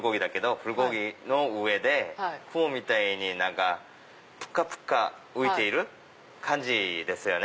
プルコギの上で雲みたいにぷかぷか浮いている感じですよね。